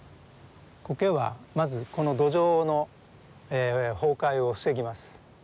コケはまずこの土壌の崩壊を防ぎます。